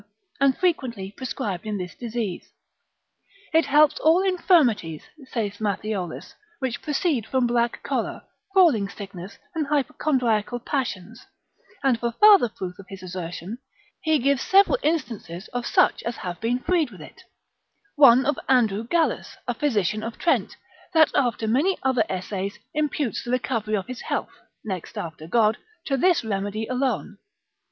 and frequently prescribed in this disease. It helps all infirmities, saith Matthiolus, which proceed from black choler, falling sickness, and hypochondriacal passions; and for farther proof of his assertion, he gives several instances of such as have been freed with it: one of Andrew Gallus, a physician of Trent, that after many other essays, imputes the recovery of his health, next after God, to this remedy alone.